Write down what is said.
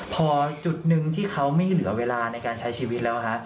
พอจุดหนึ่งที่เขาไม่เหลือเวลาในการใช้ชีวิตแล้วฮะ